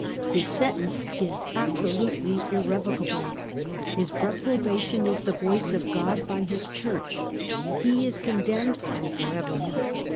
His sen tence is absolutely irrevocable ! His reprobation is the voice of God by his Church ! He is condemned and for ever